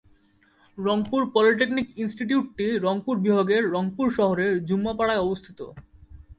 Rangpur polytechnic ইনস্টিটিউটটি রংপুর বিভাগের রংপুর শহরের জুম্মাপাড়ায় অবস্থিত।